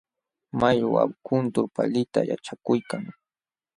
Mallwa kuntur paalita yaćhakuykan.